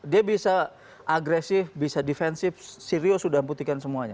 dia bisa agresif bisa defensif si rio sudah memputihkan semuanya